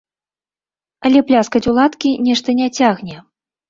Але пляскаць у ладкі нешта не цягне.